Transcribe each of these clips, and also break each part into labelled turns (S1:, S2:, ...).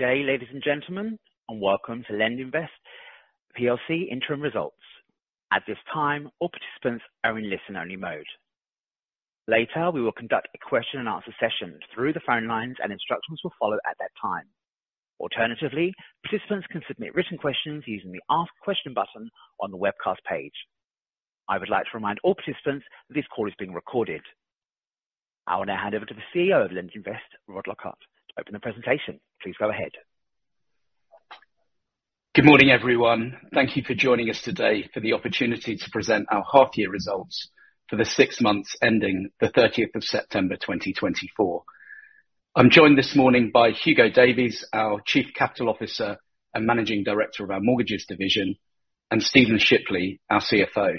S1: Okay, ladies and gentlemen, and welcome to LendInvest PLC interim results. At this time, all participants are in listen-only mode. Later, we will conduct a question-and-answer session through the phone lines, and instructions will follow at that time. Alternatively, participants can submit written questions using the Ask a Question button on the webcast page. I would like to remind all participants that this call is being recorded. I will now hand over to the CEO of LendInvest, Rod Lockhart, to open the presentation. Please go ahead.
S2: Good morning, everyone. Thank you for joining us today for the opportunity to present our half-year results for the six months ending the 30th of September 2024. I'm joined this morning by Hugo Davies, our Chief Capital Officer and Managing Director of our Mortgages Division, and Stephen Shipley, our CFO.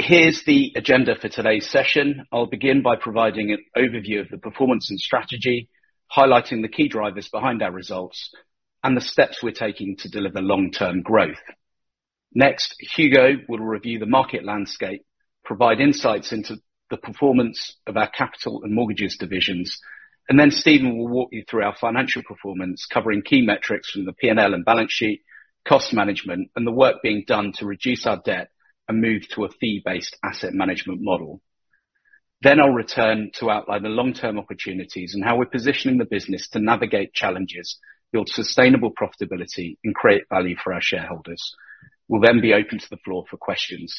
S2: Here's the agenda for today's session. I'll begin by providing an overview of the performance and strategy, highlighting the key drivers behind our results and the steps we're taking to deliver long-term growth. Next, Hugo will review the market landscape, provide insights into the performance of our Capital and Mortgages Divisions, and then Stephen will walk you through our financial performance, covering key metrics from the P&L and balance sheet, cost management, and the work being done to reduce our debt and move to a fee-based asset management model. Then I'll return to outline the long-term opportunities and how we're positioning the business to navigate challenges, build sustainable profitability, and create value for our shareholders. We'll then be open to the floor for questions.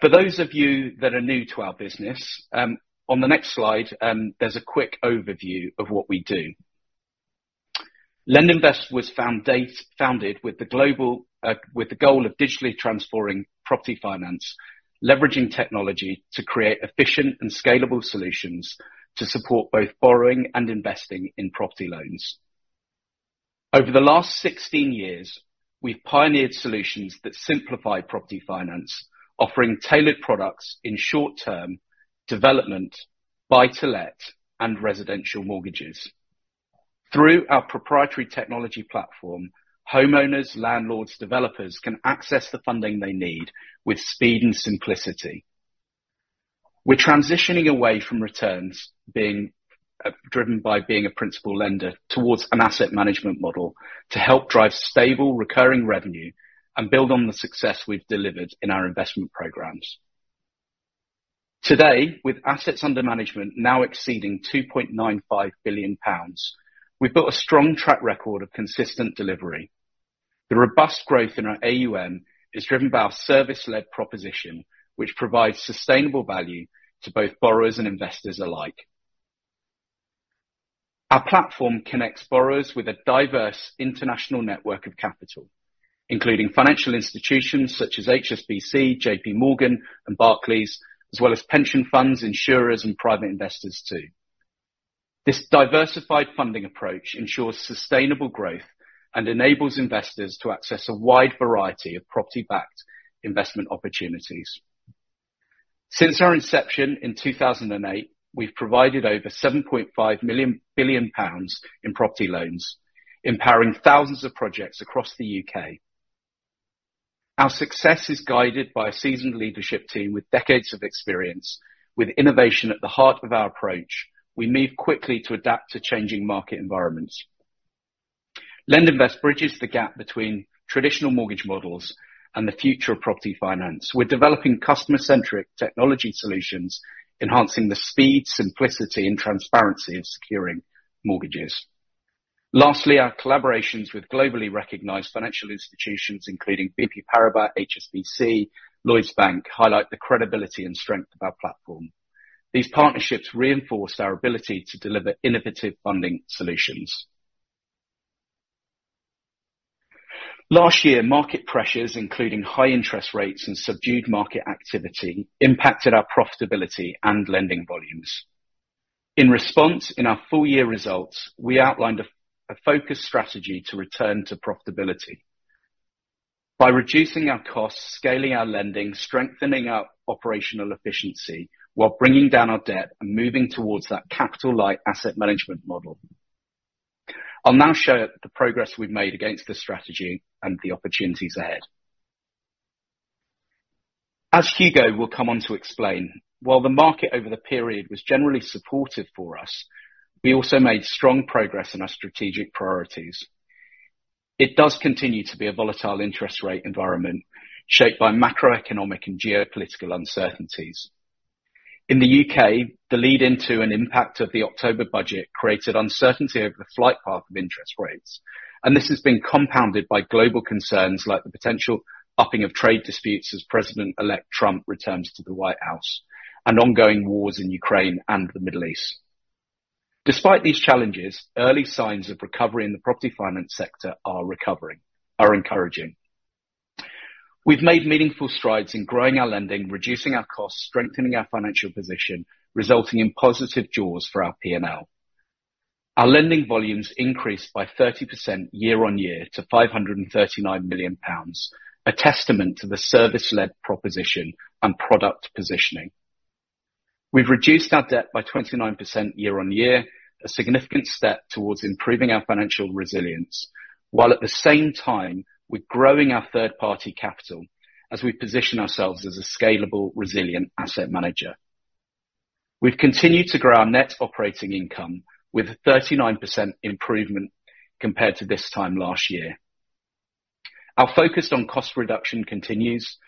S2: For those of you that are new to our business, on the next slide, there's a quick overview of what we do. LendInvest was founded with the global goal of digitally transforming property finance, leveraging technology to create efficient and scalable solutions to support both borrowing and investing in property loans. Over the last 16 years, we've pioneered solutions that simplify property finance, offering tailored products in short-term development, buy-to-let, and residential mortgages. Through our proprietary technology platform, homeowners, landlords, and developers can access the funding they need with speed and simplicity. We're transitioning away from returns being driven by being a principal lender towards an asset management model to help drive stable, recurring revenue and build on the success we've delivered in our investment programs. Today, with assets under management now exceeding 2.95 billion pounds, we've built a strong track record of consistent delivery. The robust growth in our AUM is driven by our service-led proposition, which provides sustainable value to both borrowers and investors alike. Our platform connects borrowers with a diverse international network of capital, including financial institutions such as HSBC, J.P. Morgan, and Barclays, as well as pension funds, insurers, and private investors too. This diversified funding approach ensures sustainable growth and enables investors to access a wide variety of property-backed investment opportunities. Since our inception in 2008, we've provided over 7.5 billion pounds in property loans, empowering thousands of projects across the U.K. Our success is guided by a seasoned leadership team with decades of experience, with innovation at the heart of our approach. We move quickly to adapt to changing market environments. LendInvest bridges the gap between traditional mortgage models and the future of property finance. We're developing customer-centric technology solutions, enhancing the speed, simplicity, and transparency of securing mortgages. Lastly, our collaborations with globally recognized financial institutions, including BNP Paribas, HSBC, and Lloyds Bank, highlight the credibility and strength of our platform. These partnerships reinforce our ability to deliver innovative funding solutions. Last year, market pressures, including high interest rates and subdued market activity, impacted our profitability and lending volumes. In response, in our full-year results, we outlined a focused strategy to return to profitability by reducing our costs, scaling our lending, strengthening our operational efficiency while bringing down our debt and moving towards that capital-light asset management model. I'll now show the progress we've made against the strategy and the opportunities ahead. As Hugo will come on to explain, while the market over the period was generally supportive for us, we also made strong progress in our strategic priorities. It does continue to be a volatile interest rate environment shaped by macroeconomic and geopolitical uncertainties. In the U.K., the lead-in to and impact of the October budget created uncertainty over the flight path of interest rates, and this has been compounded by global concerns like the potential upping of trade disputes as President-elect Trump returns to the White House and ongoing wars in Ukraine and the Middle East. Despite these challenges, early signs of recovery in the property finance sector are encouraging. We've made meaningful strides in growing our lending, reducing our costs, strengthening our financial position, resulting in positive jaws for our P&L. Our lending volumes increased by 30% year-on-year to 539 million pounds, a testament to the service-led proposition and product positioning. We've reduced our debt by 29% year-on-year, a significant step towards improving our financial resilience, while at the same time we're growing our third-party capital as we position ourselves as a scalable, resilient asset manager. We've continued to grow our net operating income with a 39% improvement compared to this time last year. Our focus on cost reduction continues.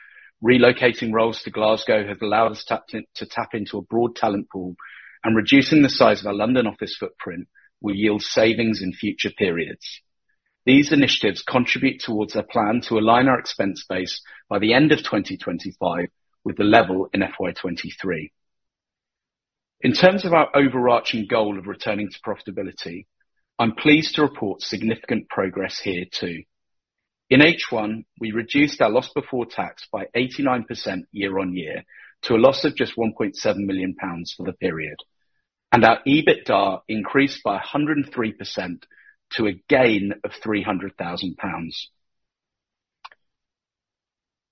S2: Relocating roles to Glasgow has allowed us to tap into a broad talent pool, and reducing the size of our London office footprint will yield savings in future periods. These initiatives contribute towards our plan to align our expense base by the end of 2025 with the level in FY 2023. In terms of our overarching goal of returning to profitability, I'm pleased to report significant progress here too. In H1, we reduced our loss before tax by 89% year-on-year to a loss of just 1.7 million pounds for the period, and our EBITDA increased by 103% to a gain of 300,000 pounds,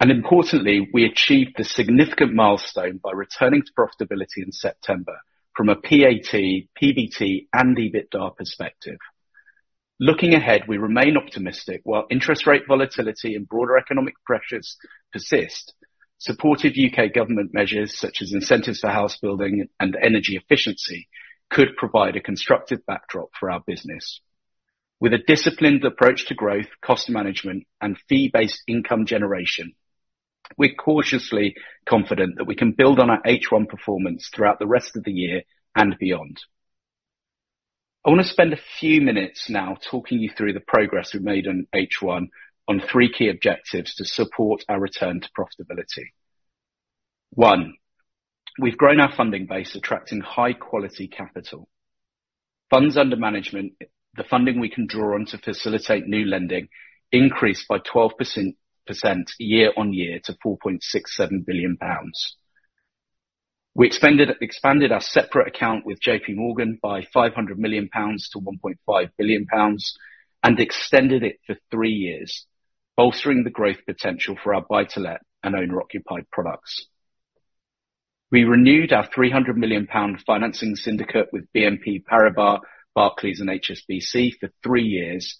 S2: and importantly, we achieved a significant milestone by returning to profitability in September from a PAT, PBT, and EBITDA perspective. Looking ahead, we remain optimistic while interest rate volatility and broader economic pressures persist. Supportive U.K. government measures such as incentives for housebuilding and energy efficiency could provide a constructive backdrop for our business. With a disciplined approach to growth, cost management, and fee-based income generation, we're cautiously confident that we can build on our H1 performance throughout the rest of the year and beyond. I want to spend a few minutes now talking you through the progress we've made in H1 on three key objectives to support our return to profitability. One, we've grown our funding base, attracting high-quality capital. Funds under management, the funding we can draw on to facilitate new lending, increased by 12% year-on-year to GBP 4.67 billion. We expanded our separate account with J.P. Morgan by 500 million pounds to 1.5 billion pounds and extended it for three years, bolstering the growth potential for our buy-to-let and owner-occupied products. We renewed our 300 million pound financing syndicate with BNP Paribas, Barclays, and HSBC for three years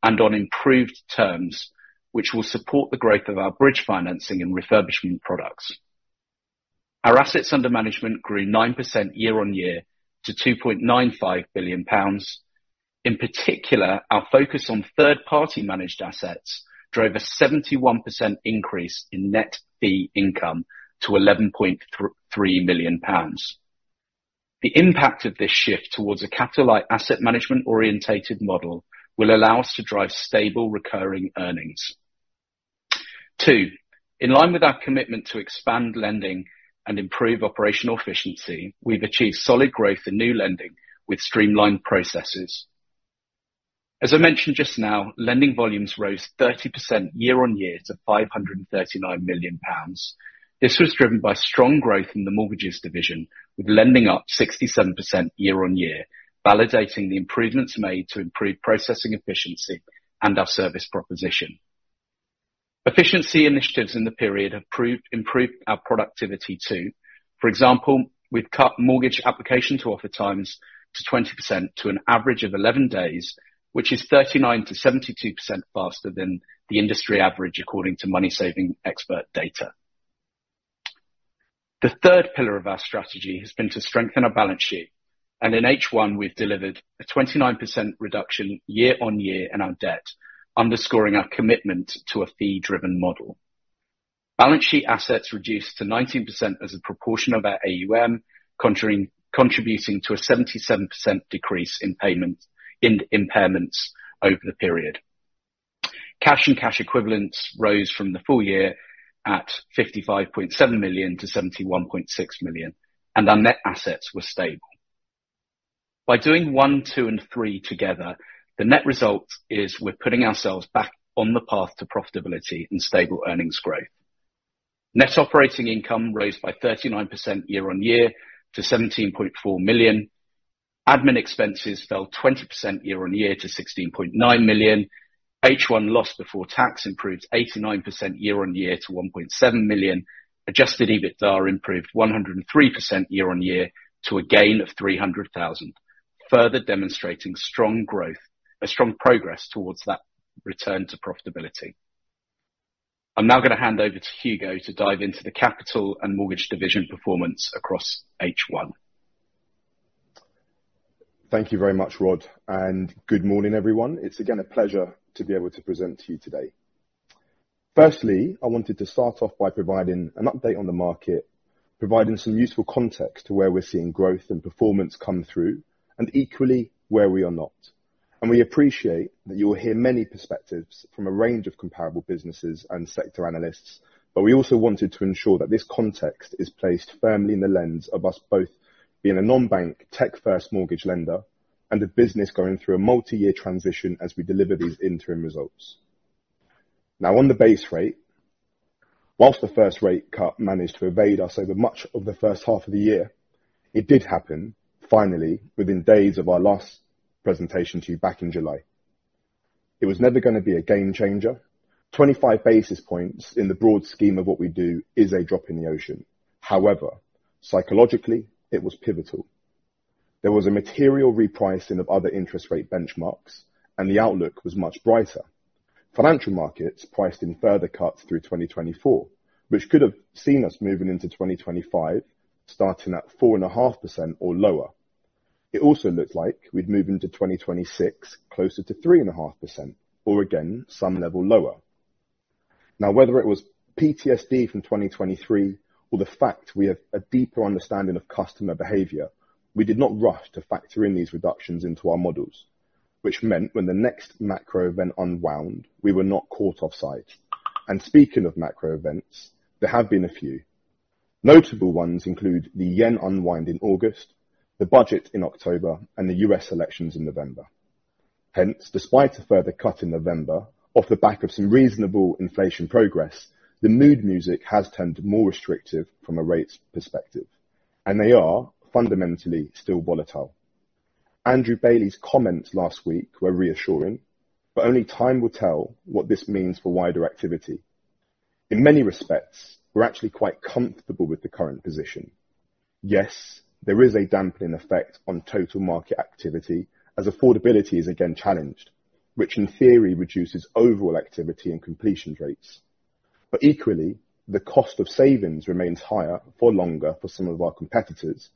S2: and on improved terms, which will support the growth of our bridge financing and refurbishment products. Our assets under management grew 9% year-on-year to 2.95 billion pounds. In particular, our focus on third-party managed assets drove a 71% increase in net fee income to 11.3 million pounds. The impact of this shift towards a capital-light asset management-orientated model will allow us to drive stable, recurring earnings. Two, in line with our commitment to expand lending and improve operational efficiency, we've achieved solid growth in new lending with streamlined processes. As I mentioned just now, lending volumes rose 30% year-on-year to 539 million pounds. This was driven by strong growth in the Mortgages Division, with lending up 67% year-on-year, validating the improvements made to improve processing efficiency and our service proposition. Efficiency initiatives in the period have improved our productivity too. For example, we've cut mortgage application to offer times to 20% to an average of 11 days, which is 39%-72% faster than the industry average, according to MoneySavingExpert data. The third pillar of our strategy has been to strengthen our balance sheet, and in H1, we've delivered a 29% reduction year-on-year in our debt, underscoring our commitment to a fee-driven model. Balance sheet assets reduced to 19% as a proportion of our AUM, contributing to a 77% decrease in impairments over the period. Cash and cash equivalents rose from the full year at 55.7 million to 71.6 million, and our net assets were stable. By doing one, two, and three together, the net result is we're putting ourselves back on the path to profitability and stable earnings growth. Net operating income rose by 39% year-on-year to 17.4 million. Admin expenses fell 20% year-on-year to 16.9 million. H1 loss before tax improved 89% year-on-year to 1.7 million. Adjusted EBITDA improved 103% year-on-year to a gain of 300,000, further demonstrating strong progress towards that return to profitability. I'm now going to hand over to Hugo to dive into the capital and mortgage division performance across H1.
S3: Thank you very much, Rod, and good morning, everyone. It's again a pleasure to be able to present to you today. Firstly, I wanted to start off by providing an update on the market, providing some useful context to where we're seeing growth and performance come through, and equally where we are not, and we appreciate that you will hear many perspectives from a range of comparable businesses and sector analysts, but we also wanted to ensure that this context is placed firmly in the lens of us both being a non-bank, tech-first mortgage lender, and a business going through a multi-year transition as we deliver these interim results. Now, on the base rate, whilst the first rate cut managed to evade us over much of the first half of the year, it did happen, finally, within days of our last presentation to you back in July. It was never going to be a game changer. 25 basis points in the broad scheme of what we do is a drop in the ocean. However, psychologically, it was pivotal. There was a material repricing of other interest rate benchmarks, and the outlook was much brighter. Financial markets priced in further cuts through 2024, which could have seen us moving into 2025 starting at 4.5% or lower. It also looked like we'd move into 2026 closer to 3.5% or again, some level lower. Now, whether it was PTSD from 2023 or the fact we have a deeper understanding of customer behavior, we did not rush to factor in these reductions into our models, which meant when the next macro event unwound, we were not caught off guard, and speaking of macro events, there have been a few. Notable ones include the yen unwind in August, the budget in October, and the U.S. elections in November. Hence, despite a further cut in November off the back of some reasonable inflation progress, the mood music has turned more restrictive from a rates perspective, and they are fundamentally still volatile. Andrew Bailey's comments last week were reassuring, but only time will tell what this means for wider activity. In many respects, we're actually quite comfortable with the current position. Yes, there is a dampening effect on total market activity as affordability is again challenged, which in theory reduces overall activity and completion rates. But equally, the cost of savings remains higher for longer for some of our competitors,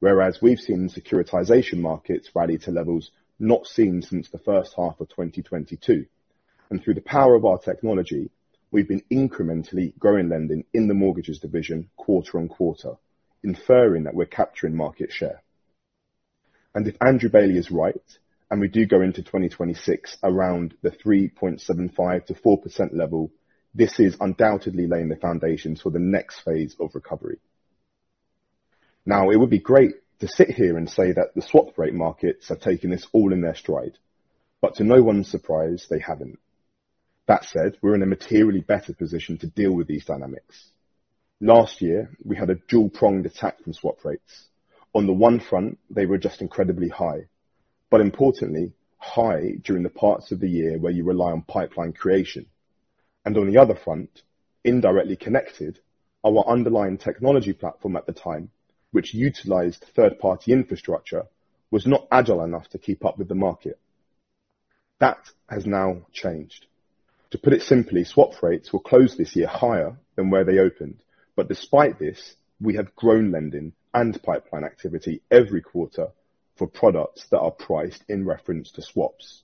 S3: whereas we've seen securitization markets rally to levels not seen since the first half of 2022. And through the power of our technology, we've been incrementally growing lending in the Mortgages Division quarter on quarter, inferring that we're capturing market share. If Andrew Bailey is right, and we do go into 2026 around the 3.75%-4% level, this is undoubtedly laying the foundations for the next phase of recovery. Now, it would be great to sit here and say that the swap rate markets have taken this all in their stride, but to no one's surprise, they haven't. That said, we're in a materially better position to deal with these dynamics. Last year, we had a dual-pronged attack from swap rates. On the one front, they were just incredibly high, but importantly, high during the parts of the year where you rely on pipeline creation. On the other front, indirectly connected, our underlying technology platform at the time, which utilized third-party infrastructure, was not agile enough to keep up with the market. That has now changed. To put it simply, swap rates will close this year higher than where they opened, but despite this, we have grown lending and pipeline activity every quarter for products that are priced in reference to swaps.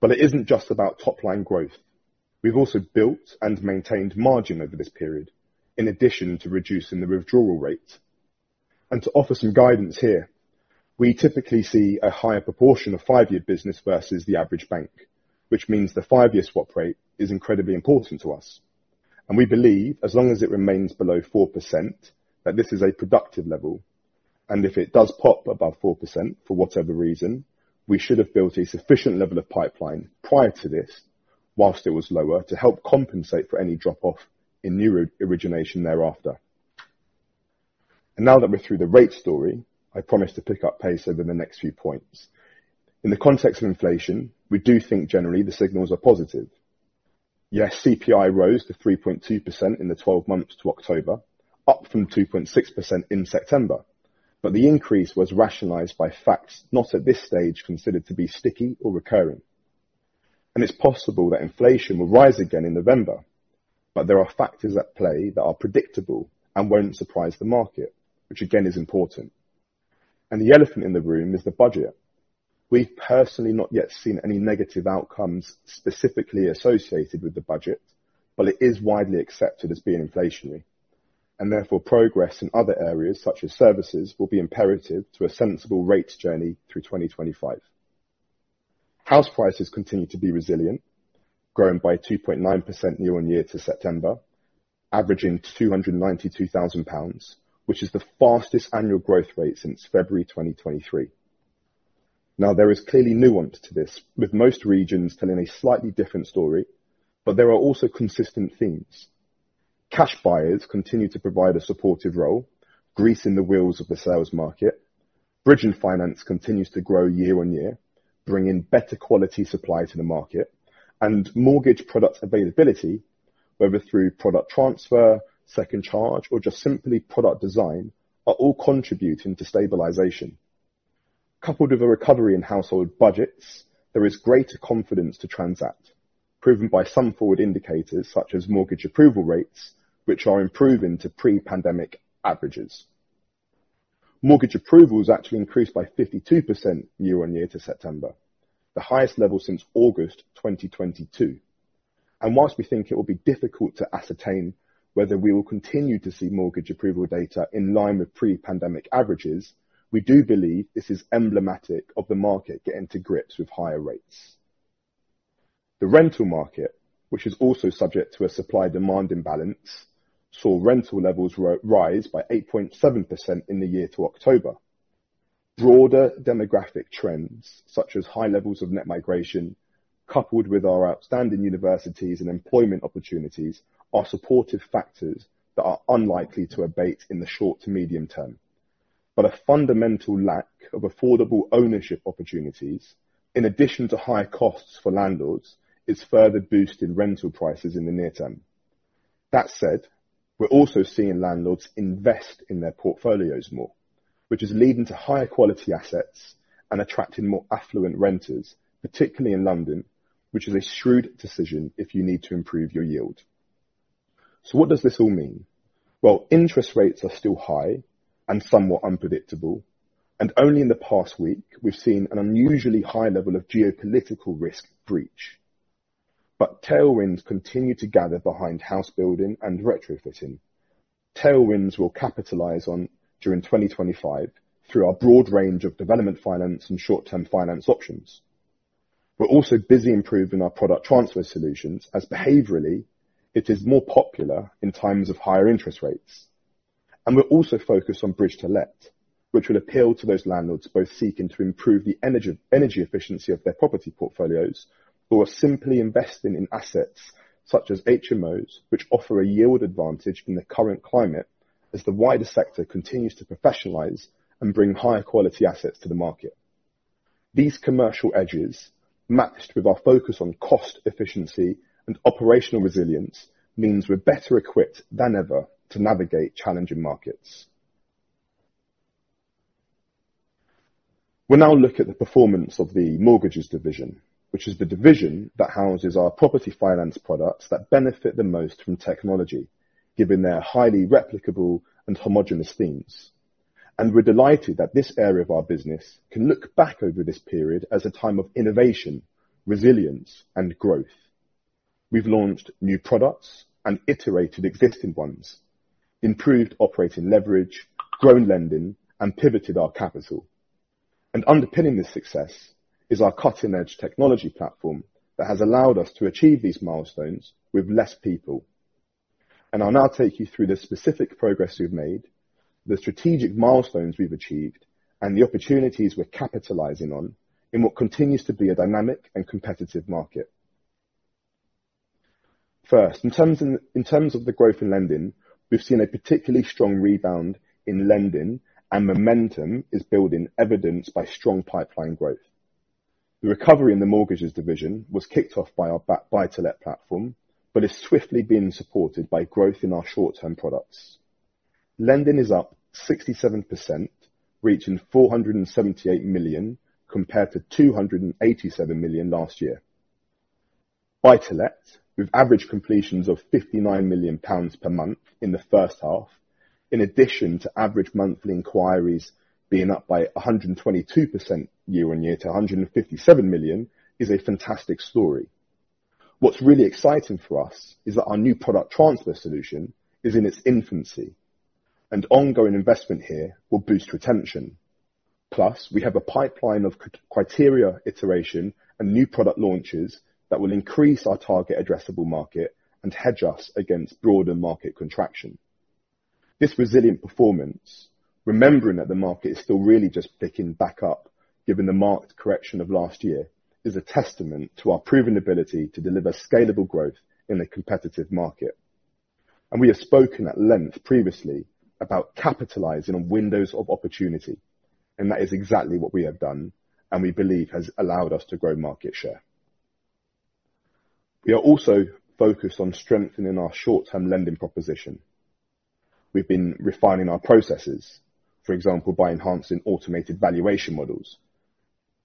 S3: But it isn't just about top-line growth. We've also built and maintained margin over this period, in addition to reducing the withdrawal rate. And to offer some guidance here, we typically see a higher proportion of five-year business versus the average bank, which means the five-year swap rate is incredibly important to us. And we believe as long as it remains below 4%, that this is a productive level. And if it does pop above 4% for whatever reason, we should have built a sufficient level of pipeline prior to this, whilst it was lower, to help compensate for any drop-off in new origination thereafter. Now that we're through the rate story, I promised to pick up pace over the next few points. In the context of inflation, we do think generally the signals are positive. Yes, CPI rose to 3.2% in the 12 months to October, up from 2.6% in September, but the increase was rationalized by facts not at this stage considered to be sticky or recurring. It's possible that inflation will rise again in November, but there are factors at play that are predictable and won't surprise the market, which again is important. The elephant in the room is the budget. We've personally not yet seen any negative outcomes specifically associated with the budget, but it is widely accepted as being inflationary. Therefore, progress in other areas such as services will be imperative to a sensible rate journey through 2025. House prices continue to be resilient, growing by 2.9% year-on-year to September, averaging 292,000 pounds, which is the fastest annual growth rate since February 2023. Now, there is clearly nuance to this, with most regions telling a slightly different story, but there are also consistent themes. Cash buyers continue to provide a supportive role, greasing the wheels of the sales market. Bridge finance continues to grow year-on-year, bringing better quality supply to the market. And mortgage product availability, whether through product transfer, second charge, or just simply product design, are all contributing to stabilization. Coupled with a recovery in household budgets, there is greater confidence to transact, proven by some forward indicators such as mortgage approval rates, which are improving to pre-pandemic averages. Mortgage approvals actually increased by 52% year-on-year to September, the highest level since August 2022. While we think it will be difficult to ascertain whether we will continue to see mortgage approval data in line with pre-pandemic averages, we do believe this is emblematic of the market getting to grips with higher rates. The rental market, which is also subject to a supply-demand imbalance, saw rental levels rise by 8.7% in the year to October. Broader demographic trends, such as high levels of net migration, coupled with our outstanding universities and employment opportunities, are supportive factors that are unlikely to abate in the short to medium term. A fundamental lack of affordable ownership opportunities, in addition to high costs for landlords, is further boosting rental prices in the near term. That said, we're also seeing landlords invest in their portfolios more, which is leading to higher quality assets and attracting more affluent renters, particularly in London, which is a shrewd decision if you need to improve your yield. So what does this all mean? Well, interest rates are still high and somewhat unpredictable, and only in the past week, we've seen an unusually high level of geopolitical risk breach. But tailwinds continue to gather behind house building and retrofitting. Tailwinds we'll capitalize on during 2025 through our broad range of development finance and short-term finance options. We're also busy improving our product transfer solutions as behaviorally, it is more popular in times of higher interest rates. And we're also focused on Bridge-to-Let, which will appeal to those landlords both seeking to improve the energy efficiency of their property portfolios or simply investing in assets such as HMOs, which offer a yield advantage in the current climate as the wider sector continues to professionalize and bring higher quality assets to the market. These commercial edges, matched with our focus on cost efficiency and operational resilience, means we're better equipped than ever to navigate challenging markets. We'll now look at the performance of the Mortgages Division, which is the division that houses our property finance products that benefit the most from technology, given their highly replicable and homogenous themes. And we're delighted that this area of our business can look back over this period as a time of innovation, resilience, and growth. We've launched new products and iterated existing ones, improved operating leverage, grown lending, and pivoted our capital. And underpinning this success is our cutting-edge technology platform that has allowed us to achieve these milestones with less people. And I'll now take you through the specific progress we've made, the strategic milestones we've achieved, and the opportunities we're capitalizing on in what continues to be a dynamic and competitive market. First, in terms of the growth in lending, we've seen a particularly strong rebound in lending, and momentum is building evidenced by strong pipeline growth. The recovery in the Mortgages Division was kicked off by our buy-to-let platform, but is swiftly being supported by growth in our short-term products. Lending is up 67%, reaching 478 million compared to 287 million last year. Buy-to-let, with average completions of 59 million pounds per month in the first half, in addition to average monthly inquiries being up by 122% year-on-year to 157 million, is a fantastic story. What's really exciting for us is that our new product transfer solution is in its infancy, and ongoing investment here will boost retention. Plus, we have a pipeline of criteria iteration and new product launches that will increase our target addressable market and hedge us against broader market contraction. This resilient performance, remembering that the market is still really just picking back up given the marked correction of last year, is a testament to our proven ability to deliver scalable growth in a competitive market, and we have spoken at length previously about capitalizing on windows of opportunity, and that is exactly what we have done, and we believe has allowed us to grow market share. We are also focused on strengthening our short-term lending proposition. We've been refining our processes, for example, by enhancing automated valuation models,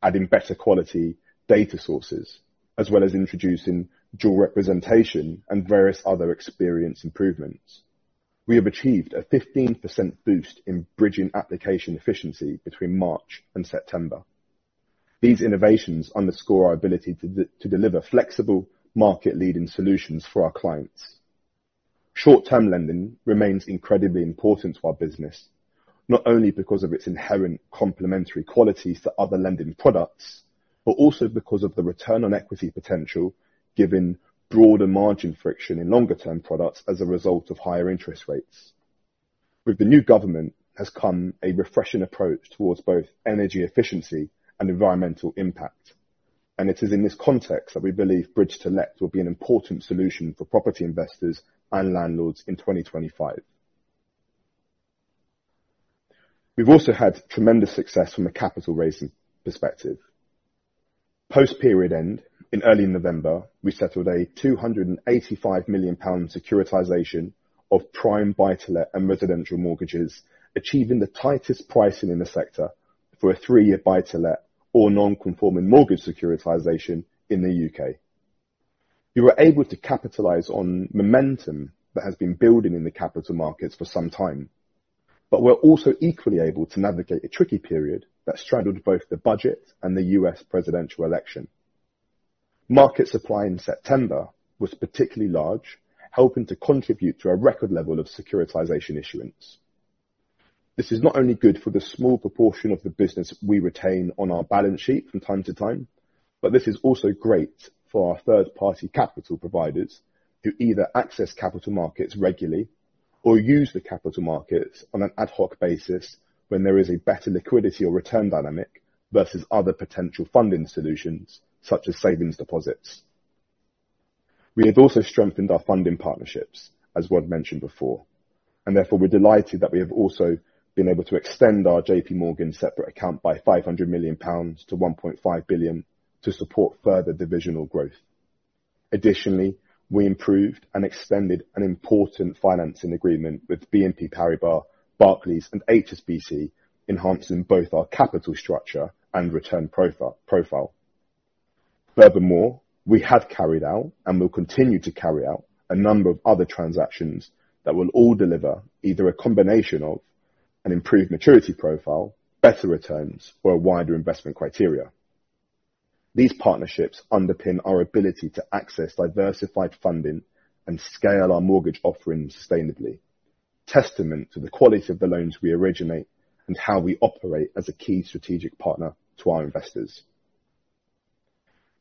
S3: adding better quality data sources, as well as introducing dual representation and various other experience improvements. We have achieved a 15% boost in bridging application efficiency between March and September. These innovations underscore our ability to deliver flexible market-leading solutions for our clients. Short-term lending remains incredibly important to our business, not only because of its inherent complementary qualities to other lending products, but also because of the return on equity potential given broader margin friction in longer-term products as a result of higher interest rates. With the new government has come a refreshing approach toward both energy efficiency and environmental impact, and it is in this context that we believe bridge-to-let will be an important solution for property investors and landlords in 2025. We've also had tremendous success from a capital raising perspective. Post-period end, in early November, we settled a 285 million pound securitization of prime buy-to-let and residential mortgages, achieving the tightest pricing in the sector for a three-year buy-to-let or non-conforming mortgage securitization in the U.K. You were able to capitalize on momentum that has been building in the capital markets for some time. But we're also equally able to navigate a tricky period that straddled both the budget and the U.S. presidential election. Market supply in September was particularly large, helping to contribute to a record level of securitization issuance. This is not only good for the small proportion of the business we retain on our balance sheet from time to time, but this is also great for our third-party capital providers who either access capital markets regularly or use the capital markets on an ad hoc basis when there is a better liquidity or return dynamic versus other potential funding solutions such as savings deposits. We have also strengthened our funding partnerships, as was mentioned before, and therefore, we're delighted that we have also been able to extend our JP Morgan separate account by 500 million pounds to 1.5 billion to support further divisional growth. Additionally, we improved and extended an important financing agreement with BNP Paribas, Barclays, and HSBC, enhancing both our capital structure and return profile. Furthermore, we have carried out and will continue to carry out a number of other transactions that will all deliver either a combination of an improved maturity profile, better returns, or a wider investment criteria. These partnerships underpin our ability to access diversified funding and scale our mortgage offering sustainably, testament to the quality of the loans we originate and how we operate as a key strategic partner to our investors.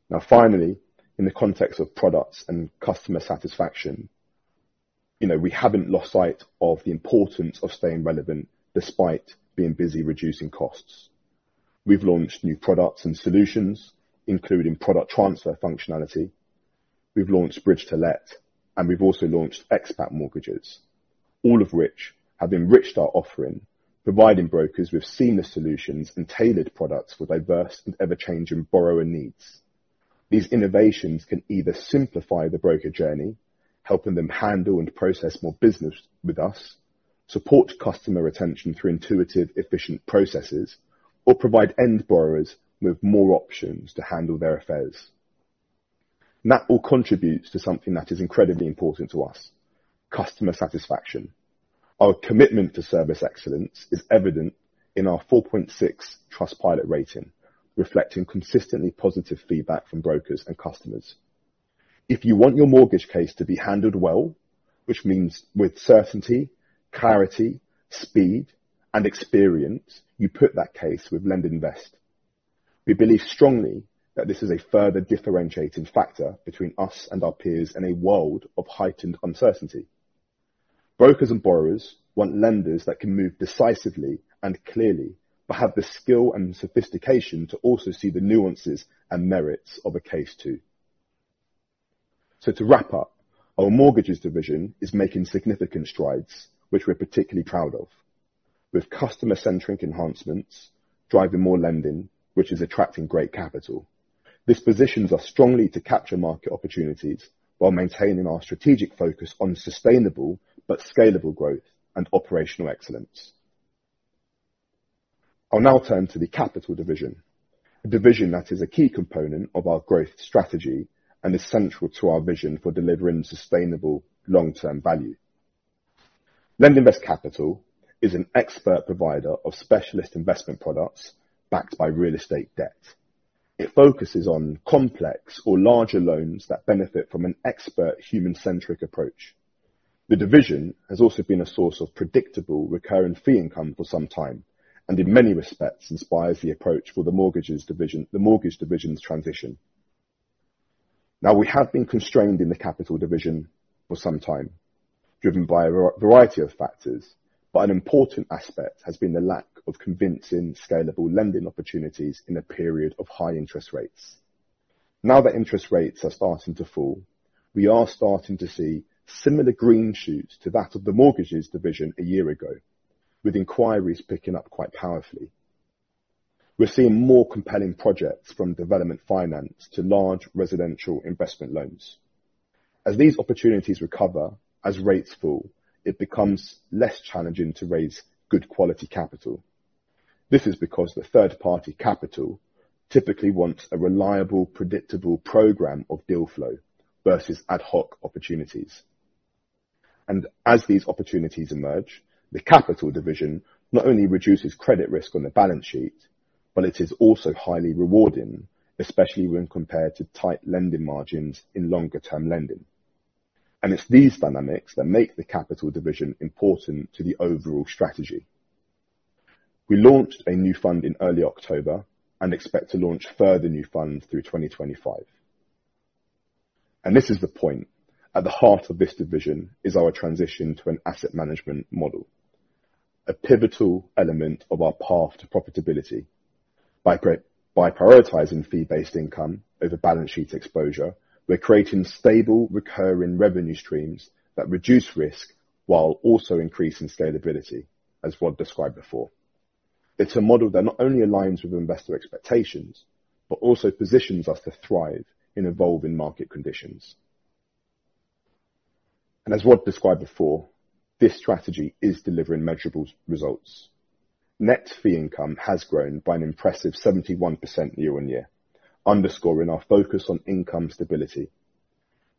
S3: Now, finally, in the context of products and customer satisfaction, you know we haven't lost sight of the importance of staying relevant despite being busy reducing costs. We've launched new products and solutions, including product transfer functionality. We've launched Bridge-to-Let, and we've also launched Expat Mortgages, all of which have enriched our offering, providing brokers with seamless solutions and tailored products for diverse and ever-changing borrower needs. These innovations can either simplify the broker journey, helping them handle and process more business with us, support customer retention through intuitive, efficient processes, or provide end borrowers with more options to handle their affairs, and that all contributes to something that is incredibly important to us: customer satisfaction. Our commitment to service excellence is evident in our 4.6 Trustpilot rating, reflecting consistently positive feedback from brokers and customers. If you want your mortgage case to be handled well, which means with certainty, clarity, speed, and experience, you put that case with LendInvest. We believe strongly that this is a further differentiating factor between us and our peers in a world of heightened uncertainty. Brokers and borrowers want lenders that can move decisively and clearly, but have the skill and sophistication to also see the nuances and merits of a case too. So, to wrap up, our Mortgages Division is making significant strides, which we're particularly proud of, with customer-centric enhancements driving more lending, which is attracting great capital. This positions us strongly to capture market opportunities while maintaining our strategic focus on sustainable but scalable growth and operational excellence. I'll now turn to the Capital Division, a division that is a key component of our growth strategy and is central to our vision for delivering sustainable long-term value. LendInvest Capital is an expert provider of specialist investment products backed by real estate debt. It focuses on complex or larger loans that benefit from an expert human-centric approach. The division has also been a source of predictable recurring fee income for some time and, in many respects, inspires the approach for the mortgage division's transition. Now, we have been constrained in the Capital Division for some time, driven by a variety of factors, but an important aspect has been the lack of convincing, scalable lending opportunities in a period of high interest rates. Now that interest rates are starting to fall, we are starting to see similar green shoots to that of the Mortgages Division a year ago, with inquiries picking up quite powerfully. We're seeing more compelling projects from development finance to large residential investment loans. As these opportunities recover, as rates fall, it becomes less challenging to raise good quality capital. This is because the third-party capital typically wants a reliable, predictable program of deal flow versus ad hoc opportunities, and as these opportunities emerge, the Capital Division not only reduces credit risk on the balance sheet, but it is also highly rewarding, especially when compared to tight lending margins in longer-term lending. It's these dynamics that make the Capital Division important to the overall strategy. We launched a new fund in early October and expect to launch further new funds through 2025. This is the point. At the heart of this division is our transition to an asset management model, a pivotal element of our path to profitability. By prioritizing fee-based income over balance sheet exposure, we're creating stable, recurring revenue streams that reduce risk while also increasing scalability, as Rod described before. It's a model that not only aligns with investor expectations, but also positions us to thrive in evolving market conditions. As Rod described before, this strategy is delivering measurable results. Net fee income has grown by an impressive 71% year-on-year, underscoring our focus on income stability.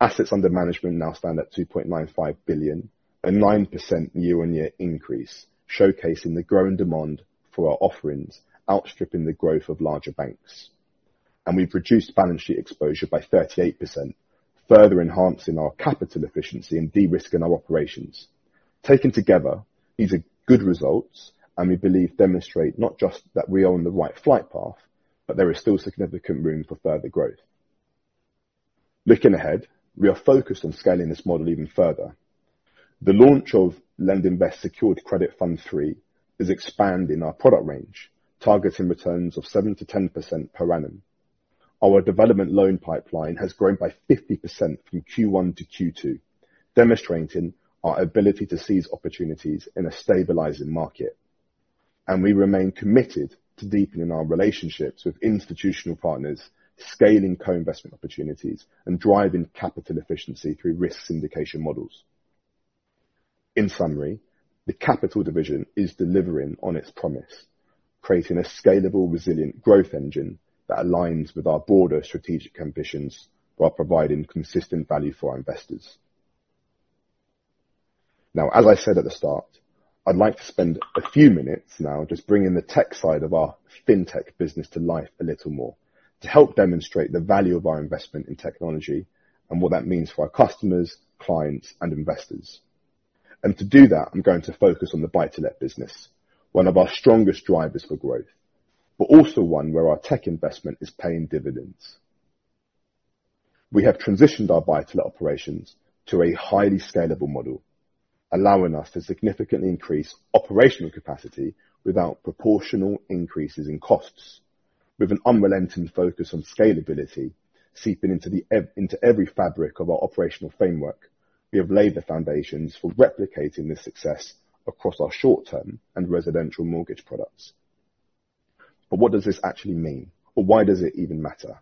S3: Assets under management now stand at 2.95 billion, a 9% year-on-year increase, showcasing the growing demand for our offerings, outstripping the growth of larger banks. And we've reduced balance sheet exposure by 38%, further enhancing our capital efficiency and de-risking our operations. Taken together, these are good results, and we believe demonstrate not just that we are on the right flight path, but there is still significant room for further growth. Looking ahead, we are focused on scaling this model even further. The launch of LendInvest Secured Credit Fund III is expanding our product range, targeting returns of 7%-10% per annum. Our development loan pipeline has grown by 50% from Q1 to Q2, demonstrating our ability to seize opportunities in a stabilizing market. And we remain committed to deepening our relationships with institutional partners, scaling co-investment opportunities, and driving capital efficiency through risk syndication models. In summary, the Capital Division is delivering on its promise, creating a scalable, resilient growth engine that aligns with our broader strategic ambitions while providing consistent value for our investors. Now, as I said at the start, I'd like to spend a few minutes now just bringing the tech side of our fintech business to life a little more to help demonstrate the value of our investment in technology and what that means for our customers, clients, and investors, and to do that, I'm going to focus on the buy-to-let business, one of our strongest drivers for growth, but also one where our tech investment is paying dividends. We have transitioned our buy-to-let operations to a highly scalable model, allowing us to significantly increase operational capacity without proportional increases in costs. With an unrelenting focus on scalability seeping into every fabric of our operational framework, we have laid the foundations for replicating this success across our short-term and residential mortgage products, but what does this actually mean, or why does it even matter,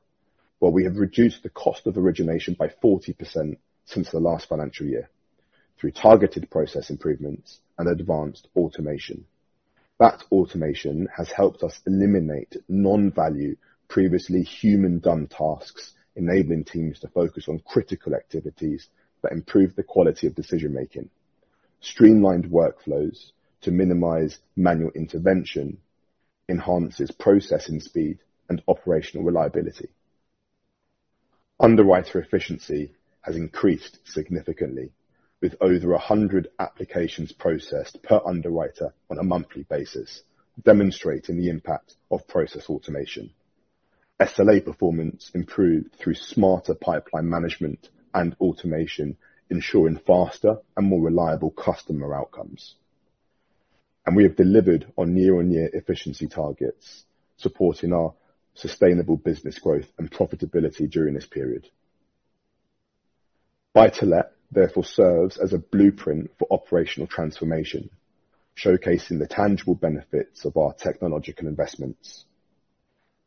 S3: well, we have reduced the cost of origination by 40% since the last financial year through targeted process improvements and advanced automation. That automation has helped us eliminate non-value, previously human-done tasks, enabling teams to focus on critical activities that improve the quality of decision-making. Streamlined workflows to minimize manual intervention enhances processing speed and operational reliability. Underwriter efficiency has increased significantly, with over 100 applications processed per underwriter on a monthly basis, demonstrating the impact of process automation. SLA performance improved through smarter pipeline management and automation, ensuring faster and more reliable customer outcomes. We have delivered on year-on-year efficiency targets, supporting our sustainable business growth and profitability during this period. Buy-to-let therefore serves as a blueprint for operational transformation, showcasing the tangible benefits of our technological investments.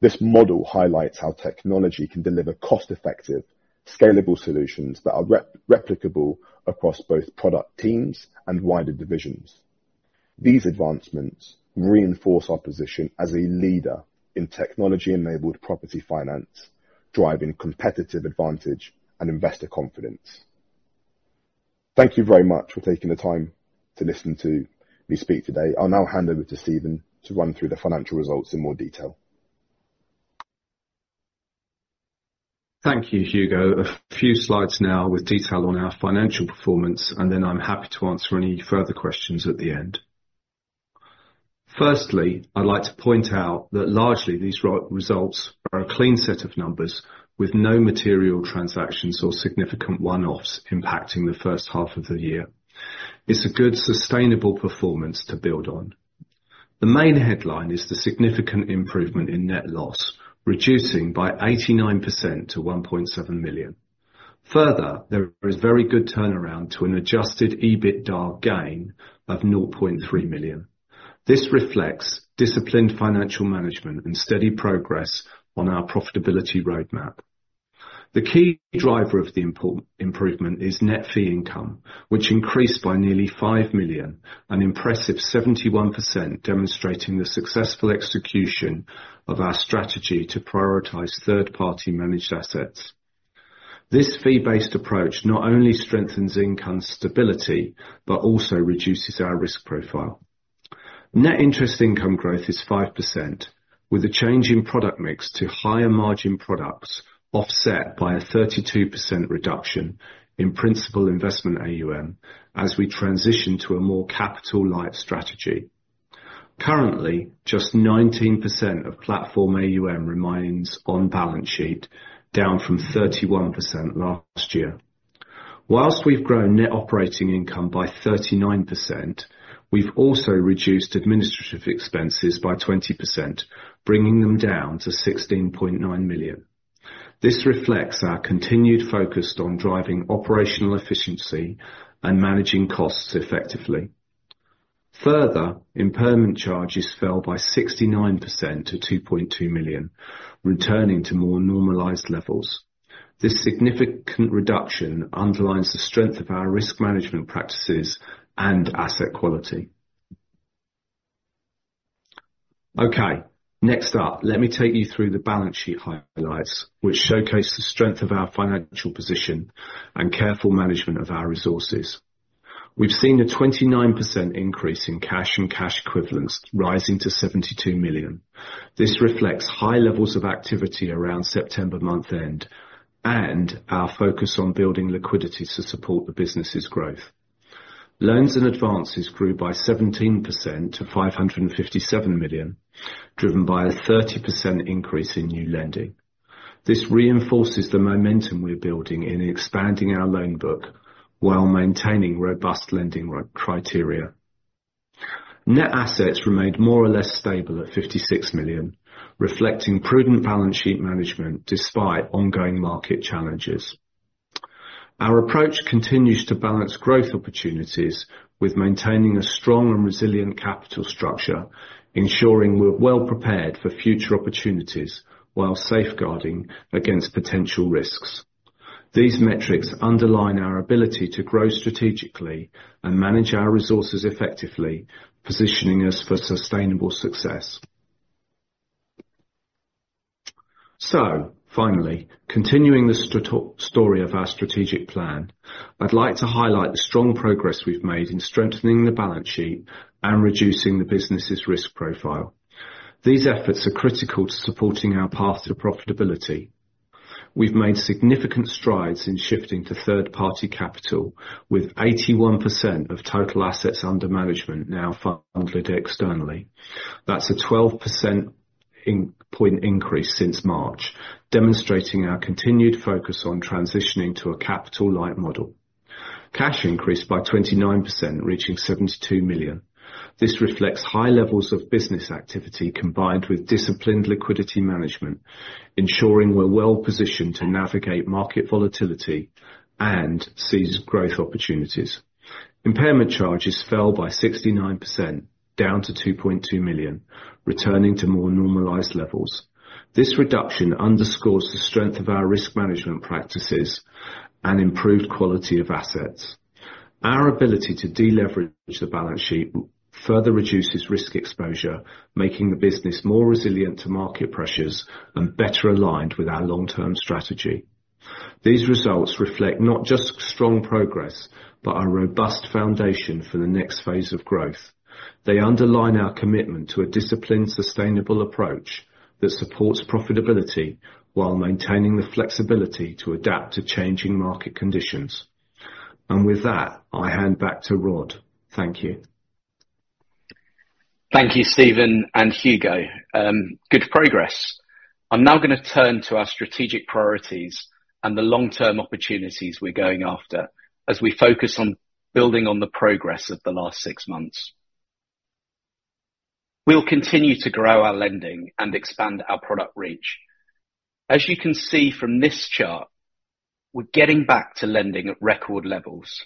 S3: This model highlights how technology can deliver cost-effective, scalable solutions that are replicable across both product teams and wider divisions. These advancements reinforce our position as a leader in technology-enabled property finance, driving competitive advantage and investor confidence. Thank you very much for taking the time to listen to me speak today. I'll now hand over to Stephen to run through the financial results in more detail.
S4: Thank you, Hugo. A few slides now with detail on our financial performance, and then I'm happy to answer any further questions at the end. Firstly, I'd like to point out that largely these results are a clean set of numbers with no material transactions or significant one-offs impacting the first half of the year. It's a good sustainable performance to build on. The main headline is the significant improvement in net loss, reducing by 89% to 1.7 million. Further, there is very good turnaround to an adjusted EBITDA gain of 0.3 million. This reflects disciplined financial management and steady progress on our profitability roadmap. The key driver of the improvement is net fee income, which increased by nearly 5 million, an impressive 71%, demonstrating the successful execution of our strategy to prioritize third-party managed assets. This fee-based approach not only strengthens income stability, but also reduces our risk profile. Net interest income growth is 5%, with a change in product mix to higher margin products offset by a 32% reduction in principal investment AUM as we transition to a more capital-light strategy. Currently, just 19% of platform AUM remains on balance sheet, down from 31% last year. While we've grown net operating income by 39%, we've also reduced administrative expenses by 20%, bringing them down to 16.9 million. This reflects our continued focus on driving operational efficiency and managing costs effectively. Further, impairment charges fell by 69% to 2.2 million, returning to more normalized levels. This significant reduction underlines the strength of our risk management practices and asset quality. Okay, next up, let me take you through the balance sheet highlights, which showcase the strength of our financial position and careful management of our resources. We've seen a 29% increase in cash and cash equivalents rising to 72 million. This reflects high levels of activity around September month end and our focus on building liquidity to support the business's growth. Loans and advances grew by 17% to 557 million, driven by a 30% increase in new lending. This reinforces the momentum we're building in expanding our loan book while maintaining robust lending criteria. Net assets remained more or less stable at 56 million, reflecting prudent balance sheet management despite ongoing market challenges. Our approach continues to balance growth opportunities with maintaining a strong and resilient capital structure, ensuring we're well prepared for future opportunities while safeguarding against potential risks. These metrics underline our ability to grow strategically and manage our resources effectively, positioning us for sustainable success. So, finally, continuing the story of our strategic plan, I'd like to highlight the strong progress we've made in strengthening the balance sheet and reducing the business's risk profile. These efforts are critical to supporting our path to profitability. We've made significant strides in shifting to third-party capital, with 81% of total assets under management now funded externally. That's a 12 percentage point increase since March, demonstrating our continued focus on transitioning to a capital-light model. Cash increased by 29%, reaching 72 million. This reflects high levels of business activity combined with disciplined liquidity management, ensuring we're well positioned to navigate market volatility and seize growth opportunities. Impairment charges fell by 69%, down to 2.2 million, returning to more normalized levels. This reduction underscores the strength of our risk management practices and improved quality of assets. Our ability to deleverage the balance sheet further reduces risk exposure, making the business more resilient to market pressures and better aligned with our long-term strategy. These results reflect not just strong progress, but a robust foundation for the next phase of growth. They underline our commitment to a disciplined, sustainable approach that supports profitability while maintaining the flexibility to adapt to changing market conditions, and with that, I hand back to Rod. Thank you.
S2: Thank you, Stephen and Hugo. Good progress. I'm now going to turn to our strategic priorities and the long-term opportunities we're going after as we focus on building on the progress of the last six months. We'll continue to grow our lending and expand our product reach. As you can see from this chart, we're getting back to lending at record levels.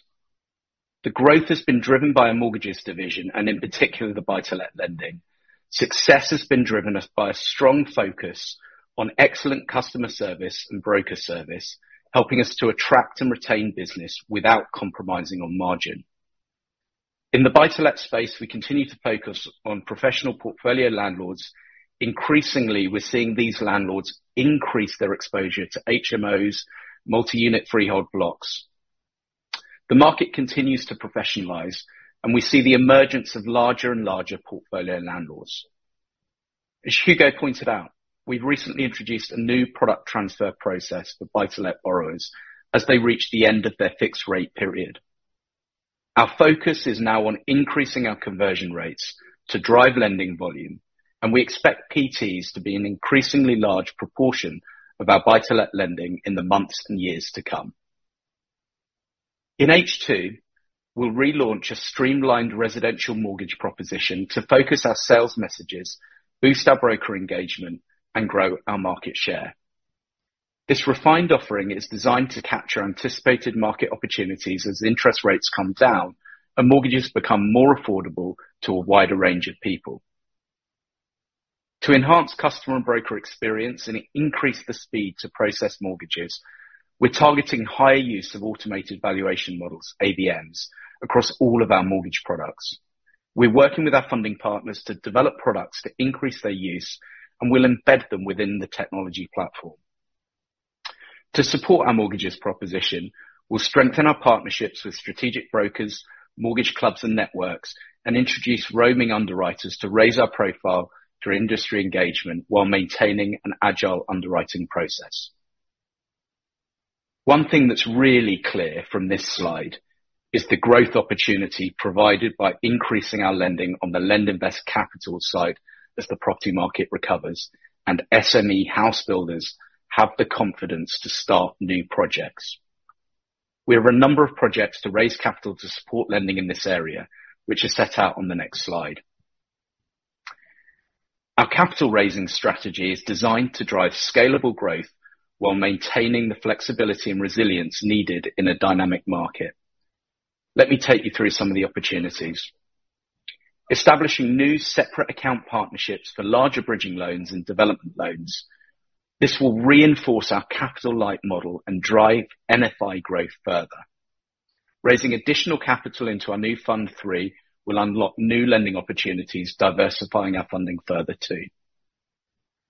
S2: The growth has been driven by our Mortgages Division and, in particular, the buy-to-let lending. Success has been driven by a strong focus on excellent customer service and broker service, helping us to attract and retain business without compromising on margin. In the buy-to-let space, we continue to focus on professional portfolio landlords. Increasingly, we're seeing these landlords increase their exposure to HMOs, multi-unit freehold blocks. The market continues to professionalize, and we see the emergence of larger and larger portfolio landlords. As Hugo pointed out, we've recently introduced a new product transfer process for buy-to-let borrowers as they reach the end of their fixed-rate period. Our focus is now on increasing our conversion rates to drive lending volume, and we expect PTs to be an increasingly large proportion of our buy-to-let lending in the months and years to come. In H2, we'll relaunch a streamlined residential mortgage proposition to focus our sales messages, boost our broker engagement, and grow our market share. This refined offering is designed to capture anticipated market opportunities as interest rates come down and mortgages become more affordable to a wider range of people. To enhance customer and broker experience and increase the speed to process mortgages, we're targeting higher use of automated valuation models, AVMs, across all of our mortgage products. We're working with our funding partners to develop products to increase their use, and we'll embed them within the technology platform. To support our mortgages proposition, we'll strengthen our partnerships with strategic brokers, mortgage clubs and networks, and introduce roaming underwriters to raise our profile through industry engagement while maintaining an agile underwriting process. One thing that's really clear from this slide is the growth opportunity provided by increasing our lending on the LendInvest Capital side as the property market recovers and SME housebuilders have the confidence to start new projects. We have a number of projects to raise capital to support lending in this area, which is set out on the next slide. Our capital raising strategy is designed to drive scalable growth while maintaining the flexibility and resilience needed in a dynamic market. Let me take you through some of the opportunities. Establishing new separate account partnerships for larger bridging loans and development loans. This will reinforce our capital-light model and drive NFI growth further. Raising additional capital into our new Fund III will unlock new lending opportunities, diversifying our funding further too.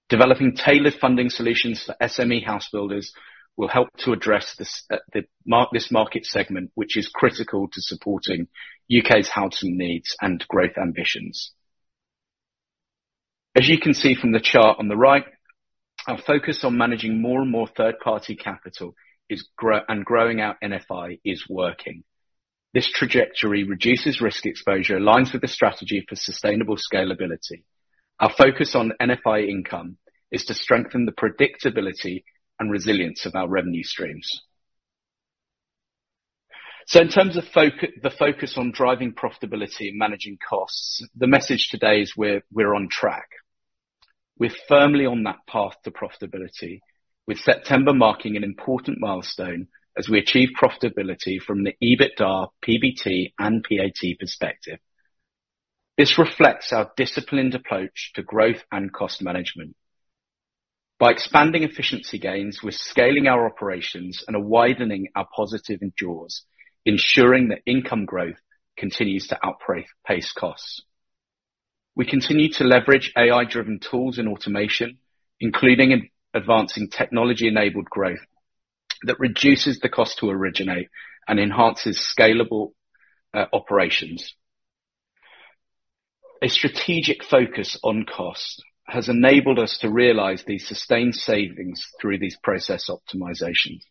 S2: Developing tailored funding solutions for SME house builders will help to address this market segment, which is critical to supporting U.K.'s housing needs and growth ambitions. As you can see from the chart on the right, our focus on managing more and more third-party capital and growing our NFI is working. This trajectory reduces risk exposure, aligns with the strategy for sustainable scalability. Our focus on NFI income is to strengthen the predictability and resilience of our revenue streams. In terms of the focus on driving profitability and managing costs, the message today is we're on track. We're firmly on that path to profitability, with September marking an important milestone as we achieve profitability from the EBITDA, PBT, and PAT perspective. This reflects our disciplined approach to growth and cost management. By expanding efficiency gains, we're scaling our operations and widening our positive jaws, ensuring that income growth continues to outpace costs. We continue to leverage AI-driven tools and automation, including advancing technology-enabled growth that reduces the cost to originate and enhances scalable operations. A strategic focus on cost has enabled us to realize these sustained savings through these process optimizations.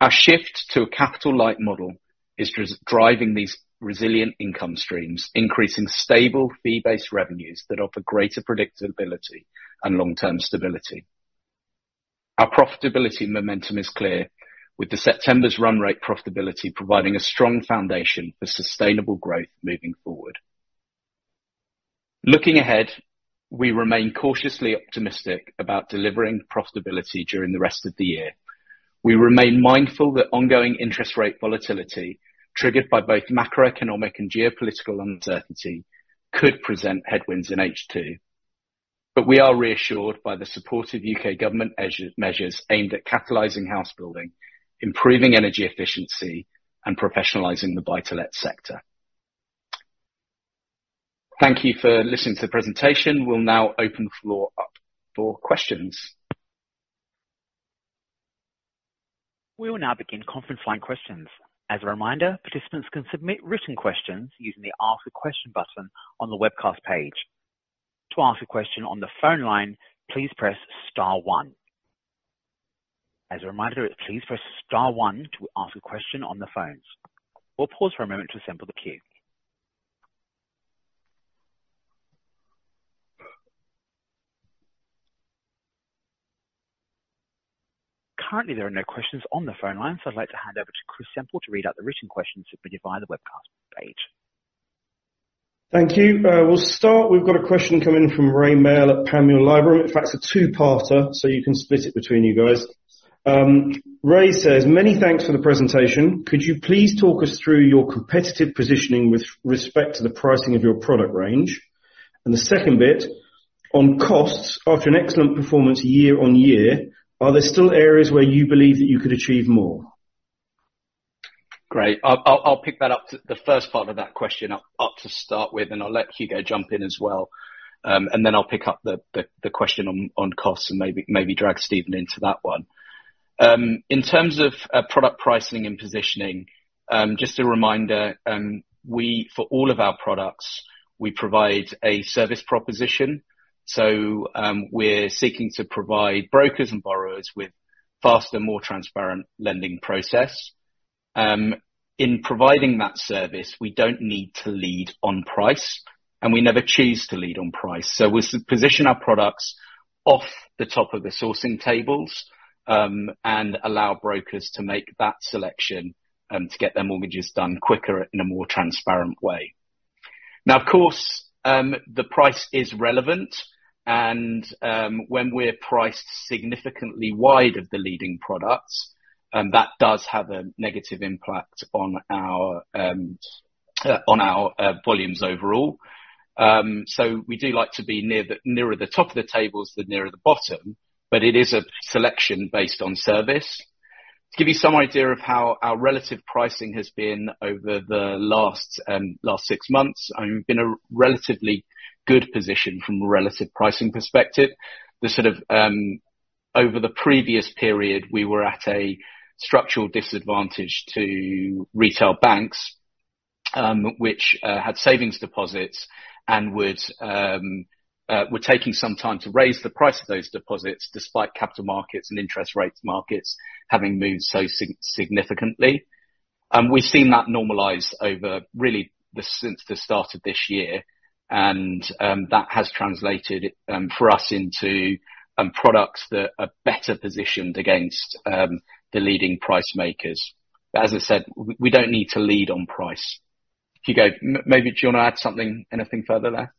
S2: Our shift to a capital-light model is driving these resilient income streams, increasing stable fee-based revenues that offer greater predictability and long-term stability. Our profitability momentum is clear, with the September's run rate profitability providing a strong foundation for sustainable growth moving forward. Looking ahead, we remain cautiously optimistic about delivering profitability during the rest of the year. We remain mindful that ongoing interest rate volatility, triggered by both macroeconomic and geopolitical uncertainty, could present headwinds in H2. But we are reassured by the supportive U.K. government measures aimed at catalyzing house building, improving energy efficiency, and professionalizing the buy-to-let sector. Thank you for listening to the presentation. We'll now open the floor up for questions.
S1: We will now begin conference line questions. As a reminder, participants can submit written questions using the Ask a Question button on the webcast page. To ask a question on the phone line, please press star one. As a reminder, please press star one to ask a question on the phones. We'll pause for a moment to assemble the queue. Currently, there are no questions on the phone line, so I'd like to hand over to Chris Semple to read out the written questions submitted via the webcast page.
S5: Thank you. We'll start. We've got a question coming from Rae Maile at Panmure Liberum. In fact, it's a two-parter, so you can split it between you guys. Rae says, "Many thanks for the presentation. Could you please talk us through your competitive positioning with respect to the pricing of your product range?" And the second bit, "On costs, after an excellent performance year-on-year, are there still areas where you believe that you could achieve more?"
S2: Great. I'll pick that up, the first part of that question up to start with, and I'll let Hugo jump in as well. I'll pick up the question on costs and maybe drag Stephen into that one. In terms of product pricing and positioning, just a reminder, for all of our products, we provide a service proposition. We're seeking to provide brokers and borrowers with a faster, more transparent lending process. In providing that service, we don't need to lead on price, and we never choose to lead on price. We position our products off the top of the sourcing tables and allow brokers to make that selection to get their mortgages done quicker in a more transparent way. Now, of course, the price is relevant, and when we're priced significantly wide of the leading products, that does have a negative impact on our volumes overall. So we do like to be nearer the top of the tables than nearer the bottom, but it is a selection based on service. To give you some idea of how our relative pricing has been over the last six months, we've been in a relatively good position from a relative pricing perspective. Over the previous period, we were at a structural disadvantage to retail banks, which had savings deposits and were taking some time to raise the price of those deposits despite capital markets and interest rate markets having moved so significantly. We've seen that normalize over, really, since the start of this year, and that has translated for us into products that are better positioned against the leading price makers. As I said, we don't need to lead on price. Hugo, maybe do you want to add something, anything further there?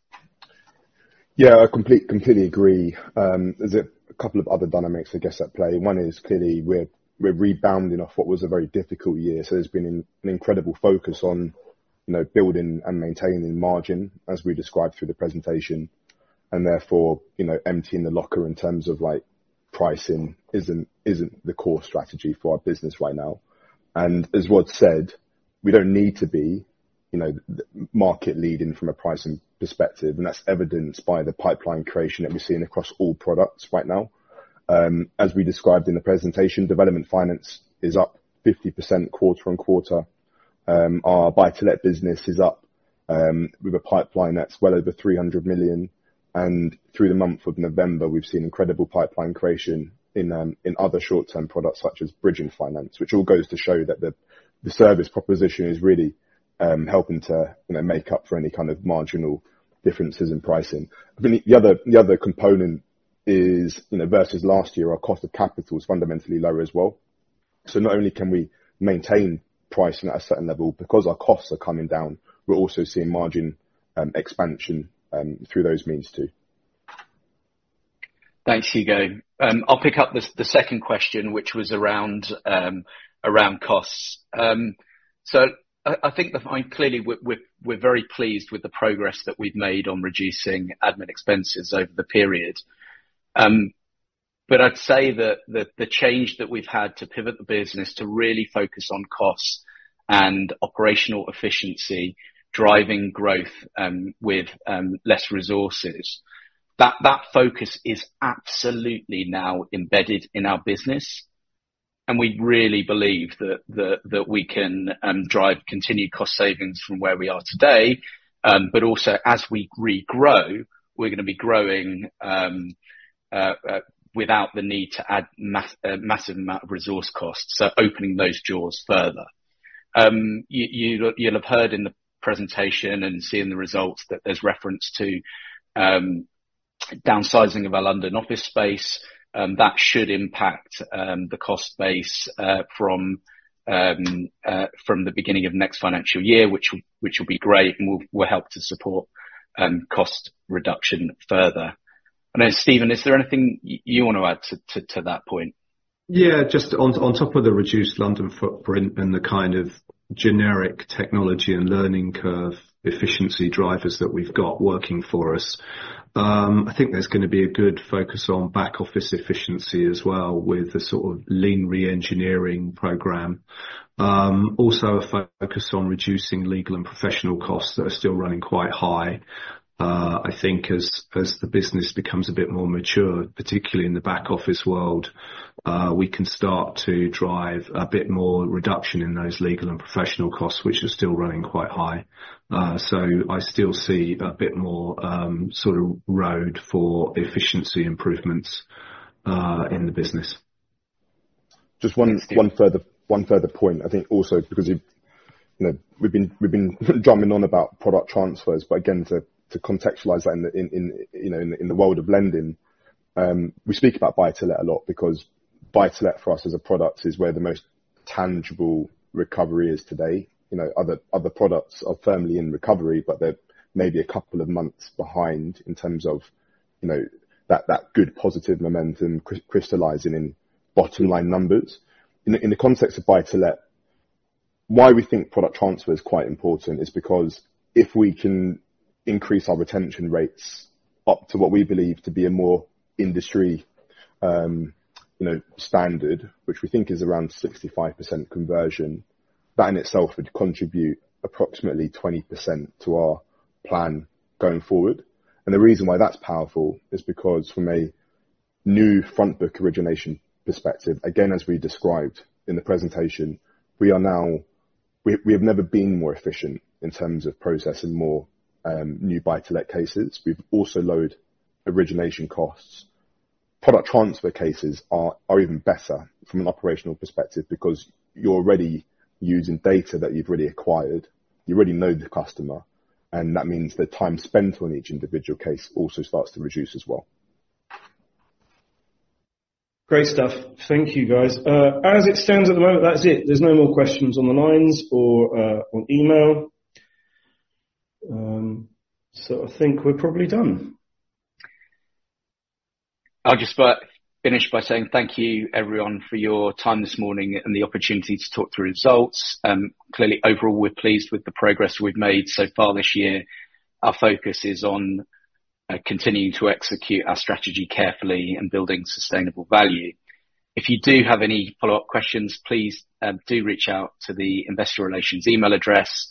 S3: Yeah, I completely agree. There's a couple of other dynamics, I guess, at play. One is clearly we're rebounding off what was a very difficult year. So there's been an incredible focus on building and maintaining margin, as we described through the presentation, and therefore emptying the locker in terms of pricing isn't the core strategy for our business right now. And as Rod said, we don't need to be market-leading from a pricing perspective, and that's evidenced by the pipeline creation that we're seeing across all products right now. As we described in the presentation, development finance is up 50% quarter on quarter. Our buy-to-let business is up. We have a pipeline that's well over 300 million. And through the month of November, we've seen incredible pipeline creation in other short-term products such as bridging finance, which all goes to show that the service proposition is really helping to make up for any kind of marginal differences in pricing. The other component is, versus last year, our cost of capital is fundamentally lower as well. So not only can we maintain pricing at a certain level because our costs are coming down, we're also seeing margin expansion through those means too. Thanks, Hugo. I'll pick up the second question, which was around costs. So I think clearly we're very pleased with the progress that we've made on reducing admin expenses over the period. But I'd say that the change that we've had to pivot the business to really focus on costs and operational efficiency, driving growth with less resources, that focus is absolutely now embedded in our business. And we really believe that we can drive continued cost savings from where we are today. But also, as we regrow, we're going to be growing without the need to add a massive amount of resource costs, so opening those doors further. You'll have heard in the presentation and seen the results that there's reference to downsizing of our London office space. That should impact the cost base from the beginning of next financial year, which will be great and will help to support cost reduction further. And then, Stephen, is there anything you want to add to that point?
S4: Yeah, just on top of the reduced London footprint and the kind of generic technology and learning curve efficiency drivers that we've got working for us, I think there's going to be a good focus on back-office efficiency as well with the sort of lean re-engineering program. Also, a focus on reducing legal and professional costs that are still running quite high. I think as the business becomes a bit more mature, particularly in the back-office world, we can start to drive a bit more reduction in those legal and professional costs, which are still running quite high. So I still see a bit more sort of road for efficiency improvements in the business.
S3: Just one further point, I think, also because we've been jumping on about product transfers. But again, to contextualize that in the world of lending, we speak about buy-to-let a lot because buy-to-let for us as a product is where the most tangible recovery is today. Other products are firmly in recovery, but they're maybe a couple of months behind in terms of that good positive momentum crystallizing in bottom-line numbers. In the context of buy-to-let, why we think product transfer is quite important is because if we can increase our retention rates up to what we believe to be a more industry standard, which we think is around 65% conversion, that in itself would contribute approximately 20% to our plan going forward. And the reason why that's powerful is because from a new front-book origination perspective, again, as we described in the presentation, we have never been more efficient in terms of processing more new buy-to-let cases. We've also lowered origination costs. Product transfer cases are even better from an operational perspective because you're already using data that you've already acquired. You already know the customer, and that means the time spent on each individual case also starts to reduce as well.
S5: Great stuff. Thank you, guys. As it stands at the moment, that's it. There's no more questions on the lines or on email. So I think we're probably done.
S2: I'll just finish by saying thank you, everyone, for your time this morning and the opportunity to talk through results. Clearly, overall, we're pleased with the progress we've made so far this year. Our focus is on continuing to execute our strategy carefully and building sustainable value. If you do have any follow-up questions, please do reach out to the investor relations email address.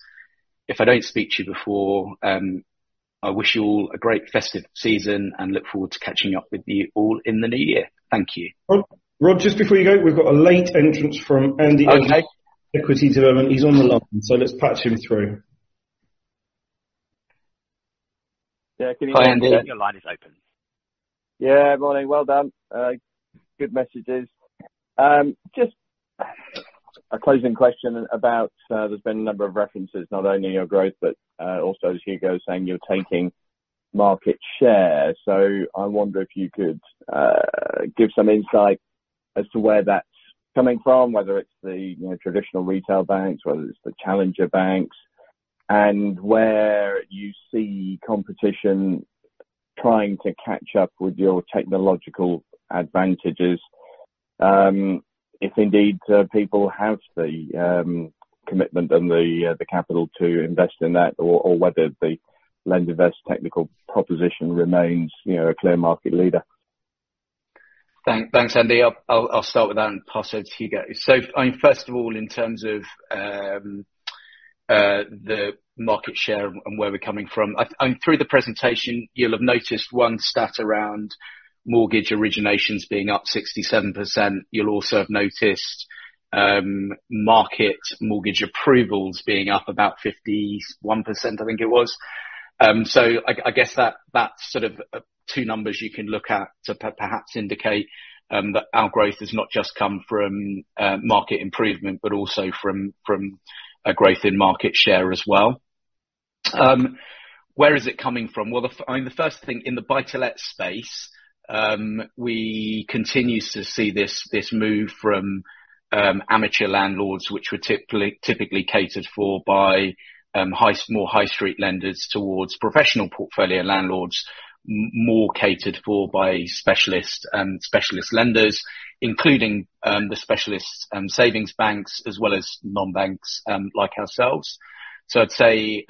S2: If I don't speak to you before, I wish you all a great festive season and look forward to catching up with you all in the new year. Thank you.
S5: Rod, just before you go, we've got a late entrance from Andy from Equity Development. He's on the line, so let's patch him through.
S6: Yeah, can you hear me?
S5: Your line is open.
S6: Yeah, morning. Well done. Good messages. Just a closing question about there's been a number of references, not only your growth, but also as Hugo was saying, you're taking market share. So I wonder if you could give some insight as to where that's coming from, whether it's the traditional retail banks, whether it's the challenger banks, and where you see competition trying to catch up with your technological advantages. If indeed people have the commitment and the capital to invest in that, or whether the LendInvest technical proposition remains a clear market leader.
S2: Thanks, Andy. I'll start with that and pass over to Hugo. So first of all, in terms of the market share and where we're coming from, through the presentation, you'll have noticed one stat around mortgage originations being up 67%. You'll also have noticed market mortgage approvals being up about 51%, I think it was. So I guess that's sort of two numbers you can look at to perhaps indicate that our growth has not just come from market improvement, but also from growth in market share as well. Where is it coming from? Well, I mean, the first thing, in the buy-to-let space, we continue to see this move from amateur landlords, which were typically catered for by more high-street lenders, towards professional portfolio landlords, more catered for by specialist lenders, including the specialist savings banks as well as non-banks like ourselves. So I'd say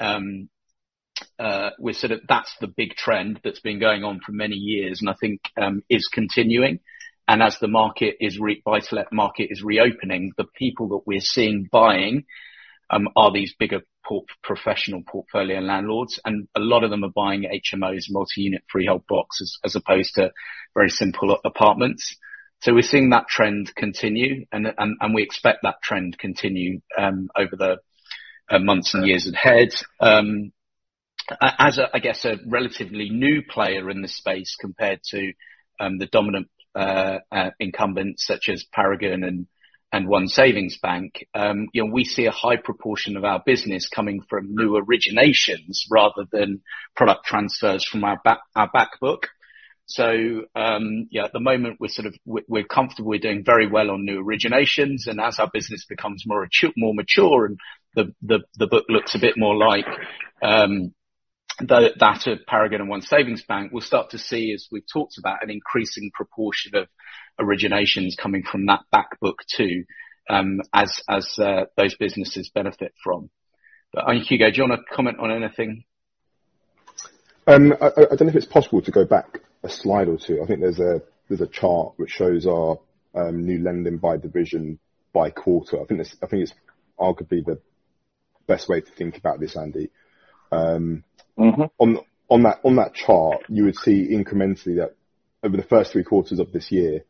S2: that's the big trend that's been going on for many years and I think is continuing. And as the market is reopening, the people that we're seeing buying are these bigger professional portfolio landlords, and a lot of them are buying HMOs, multi-unit freehold blocks, as opposed to very simple apartments. So we're seeing that trend continue, and we expect that trend to continue over the months and years ahead. As I guess a relatively new player in this space compared to the dominant incumbents such as Paragon and OneSavings Bank, we see a high proportion of our business coming from new originations rather than product transfers from our back book. So at the moment, we're comfortable. We're doing very well on new originations. And as our business becomes more mature and the book looks a bit more like that of Paragon and OneSavings Bank, we'll start to see, as we've talked about, an increasing proportion of originations coming from that back book too as those businesses benefit from. But Hugo, do you want to comment on anything?
S3: I don't know if it's possible to go back a slide or two. I think there's a chart which shows our new lending by division by quarter. I think it's arguably the best way to think about this, Andy. On that chart, you would see incrementally that over the first three quarters of this year,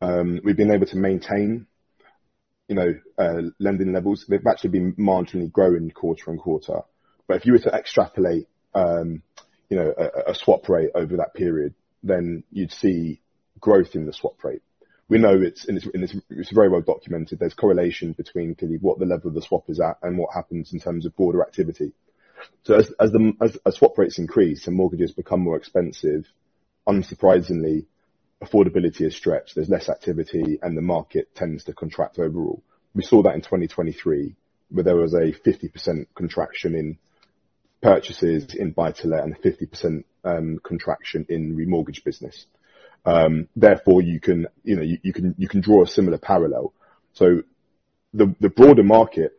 S3: we've been able to maintain lending levels. They've actually been marginally growing quarter on quarter. But if you were to extrapolate a swap rate over that period, then you'd see growth in the swap rate. We know it's very well documented. There's correlation between clearly what the level of the swap is at and what happens in terms of broader activity. So as swap rates increase and mortgages become more expensive, unsurprisingly, affordability is stretched. There's less activity, and the market tends to contract overall. We saw that in 2023, where there was a 50% contraction in purchases in buy-to-let and a 50% contraction in remortgage business. Therefore, you can draw a similar parallel. So the broader market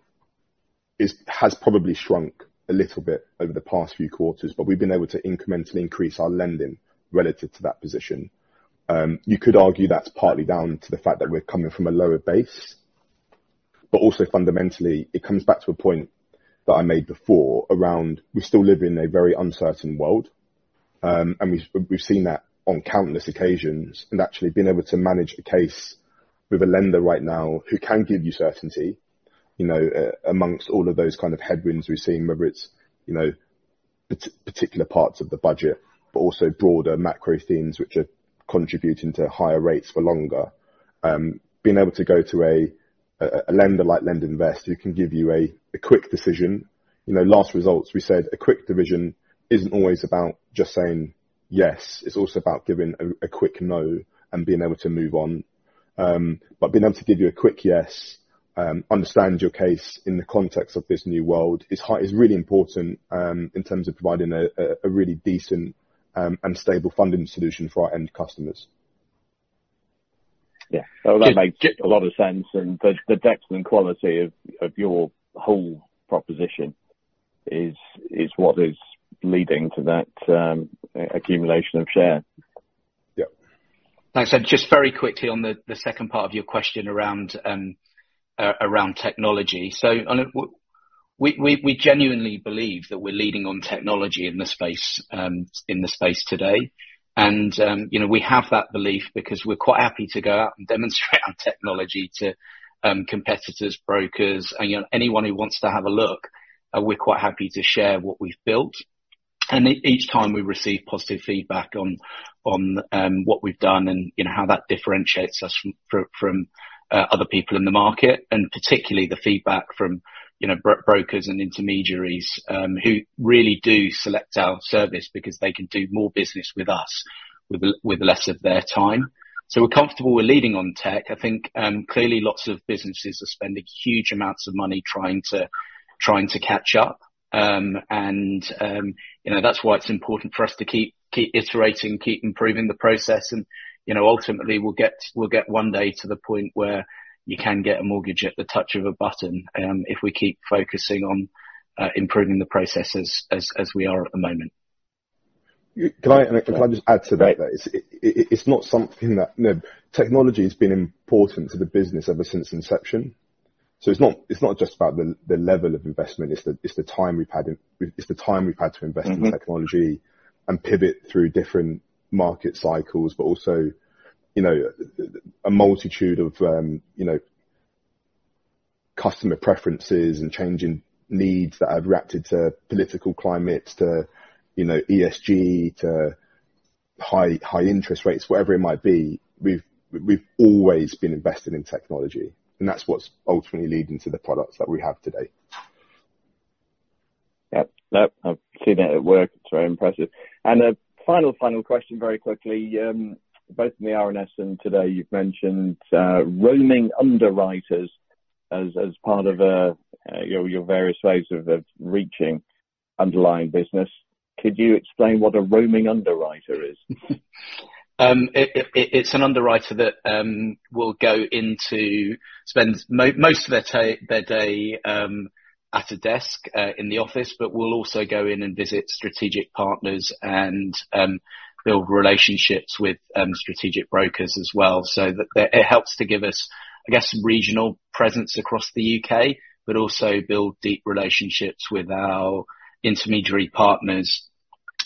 S3: has probably shrunk a little bit over the past few quarters, but we've been able to incrementally increase our lending relative to that position. You could argue that's partly down to the fact that we're coming from a lower base. But also fundamentally, it comes back to a point that I made before around we're still living in a very uncertain world. And we've seen that on countless occasions and actually been able to make a case with a lender right now who can give you certainty amongst all of those kind of headwinds we've seen, whether it's particular parts of the budget, but also broader macro themes which are contributing to higher rates for longer. Being able to go to a lender like LendInvest, who can give you a quick decision. Last results, we said a quick decision isn't always about just saying yes. It's also about giving a quick no and being able to move on. But being able to give you a quick yes, understand your case in the context of this new world, is really important in terms of providing a really decent and stable funding solution for our end customers.
S6: Yeah. That makes a lot of sense. And the depth and quality of your whole proposition is what is leading to that accumulation of share.
S3: Yeah.
S2: Thanks. And just very quickly on the second part of your question around technology. So we genuinely believe that we're leading on technology in the space today. And we have that belief because we're quite happy to go out and demonstrate our technology to competitors, brokers, and anyone who wants to have a look. We're quite happy to share what we've built. And each time we receive positive feedback on what we've done and how that differentiates us from other people in the market, and particularly the feedback from brokers and intermediaries who really do select our service because they can do more business with us with less of their time. So we're comfortable with leading on tech. I think clearly lots of businesses are spending huge amounts of money trying to catch up. And that's why it's important for us to keep iterating, keep improving the process. And ultimately, we'll get one day to the point where you can get a mortgage at the touch of a button if we keep focusing on improving the processes as we are at the moment.
S3: Can I just add to that? It's not something that technology has been important to the business ever since inception. So it's not just about the level of investment. It's the time we've had to invest in technology and pivot through different market cycles, but also a multitude of customer preferences and changing needs that have reacted to political climate, to ESG, to high interest rates, whatever it might be. We've always been invested in technology, and that's what's ultimately leading to the products that we have today.
S6: Yep. I've seen it at work. It's very impressive. And a final, final question very quickly. Both in the RNS and today, you've mentioned roaming underwriters as part of your various ways of reaching underlying business. Could you explain what a roaming underwriter is?
S2: It's an underwriter that will go and spend most of their day at a desk in the office, but will also go in and visit strategic partners and build relationships with strategic brokers as well. So it helps to give us, I guess, regional presence across the U.K., but also build deep relationships with our intermediary partners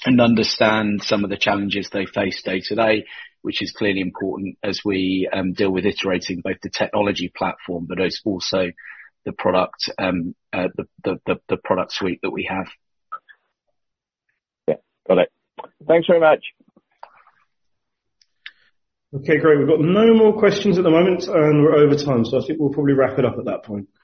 S2: and understand some of the challenges they face day-to-day, which is clearly important as we deal with iterating both the technology platform, but it's also the product suite that we have.
S6: Yeah. Got it. Thanks very much.
S5: Okay. Great. We've got no more questions at the moment, and we're over time. So I think we'll probably wrap it up at that point. Thanks.